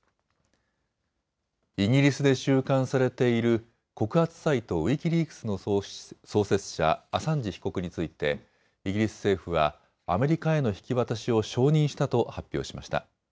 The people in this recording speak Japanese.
イギリスで収監されている告発サイト、ウィキリークスの創設者、アサンジ被告についてイギリス政府はアメリカへの引き渡しを承認したと発表しました。